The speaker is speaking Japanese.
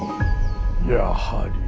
やはり。